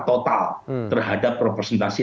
total terhadap representasi